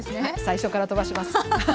はい最初から飛ばします。